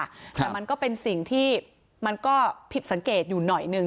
แต่มันก็เป็นสิ่งที่มันก็ผิดสังเกตอยู่หน่อยหนึ่ง